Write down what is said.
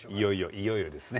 いよいよですね。